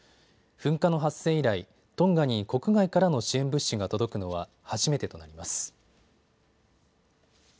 噴火の発生以来、トンガに国外からの支援物資が届くのは初めてとなります。